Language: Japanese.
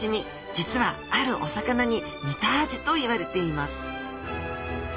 実はあるお魚に似た味といわれています